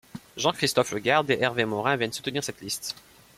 Jean-Christophe Lagarde et Hervé Morin viennent soutenir cette liste.